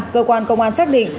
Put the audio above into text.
cơ quan công an xác định